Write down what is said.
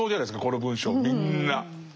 この文章みんな。